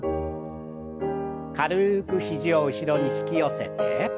軽く肘を後ろに引き寄せて。